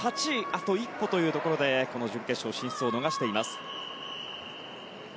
あと一歩というところで準決勝進出を逃しています。